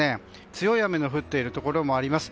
強い雨の降っているところもあります。